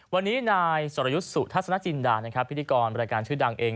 วันนี้นายสรยุทธ์สุทัศนจินดานะครับพิธีกรรายการชื่อดังเอง